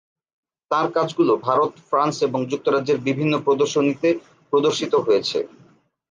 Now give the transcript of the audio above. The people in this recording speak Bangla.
তাঁর কাজগুলো ভারত, ফ্রান্স এবং যুক্তরাজ্যের বিভিন্ন প্রদর্শনীতে প্রদর্শিত হয়েছে।